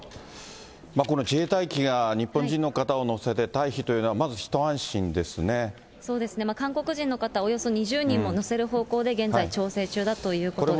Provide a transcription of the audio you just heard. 自衛隊機が日本人の方を乗せて退避というのは、韓国人の方およそ２０人も乗せる方向で、現在、調整中だということです。